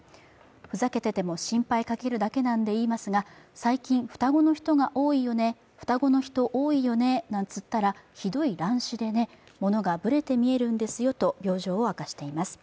ふざけてても心配かけるだけなんで言いますが最近、双子の人が多いよね、なんつったら、ひどい乱視でね、物がぶれて見えるんですと病状を明かしています。